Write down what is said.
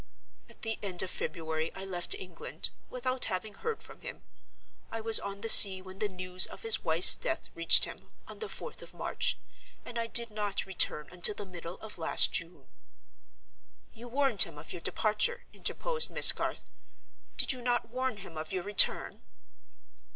At the end of February I left England, without having heard from him. I was on the sea when the news of his wife's death reached him, on the fourth of March: and I did not return until the middle of last June." "You warned him of your departure," interposed Miss Garth. "Did you not warn him of your return?"